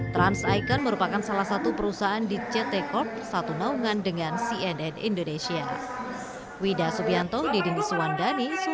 trans icon merupakan salah satu perusahaan di ct corp satu naungan dengan cnn indonesia